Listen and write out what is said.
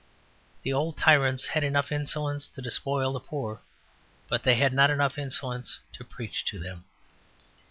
The old tyrants had enough insolence to despoil the poor, but they had not enough insolence to preach to them.